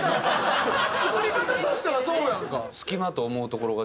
作り方としてはそうやんか。